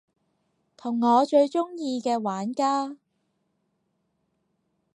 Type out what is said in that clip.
同我最鍾意嘅玩家